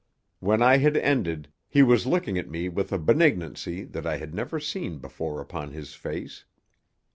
When I had ended he was looking at me with a benignancy that I had never seen before upon his face.